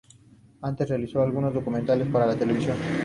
Antes realizó algunos documentales para la televisión.